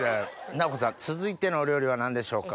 尚子さん続いてのお料理は何でしょうか？